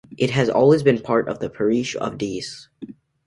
It has always been part of the parish of Diesse.